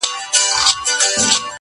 ما ویل زه به ستا د شپې په زړه کي٫